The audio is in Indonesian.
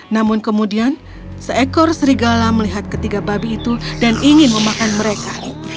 namun kemudian seekor serigala melihat ketiga babi itu dan ingin memakan mereka